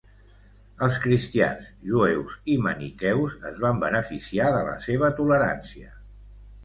Els cristians, jueus i maniqueus es van beneficiar de la seva tolerància.